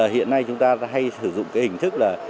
hiện nay chúng ta hay sử dụng cái hình thức là